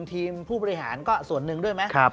ทีมผู้บริหารก็ส่วนหนึ่งด้วยไหม